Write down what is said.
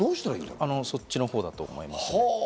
そっちの方だと思います。